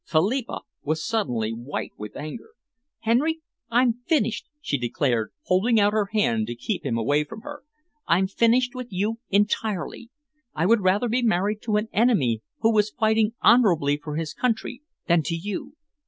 Philippa was suddenly white with anger. "Henry, I've finished," she declared, holding out her hand to keep him away from her. "I've finished with you entirely. I would rather be married to an enemy who was fighting honourably for his country than to you.